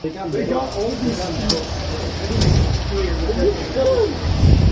A famous moment came when the trio were all participants in the Royal Rumble.